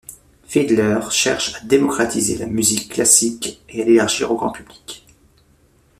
Fiedler cherche à démocratiser la musique classique et l'élargir au grand public.